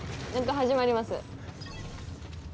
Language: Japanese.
始まります。